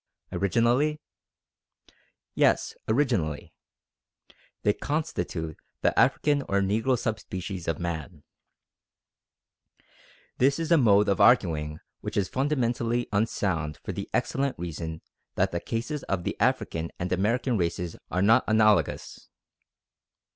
"Originally?" "Yes, originally: they constitute the African or Negro sub species of Man." This is a mode of arguing which is fundamentally unsound for the excellent reason that the cases of the African and American races are not analogous.